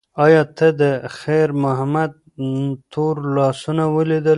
ایا تا د خیر محمد تور لاسونه ولیدل؟